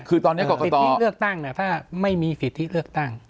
คือตอนนี้สิทธิเลือกตั้งถ้าไม่มีสิทธิเลือกตั้ง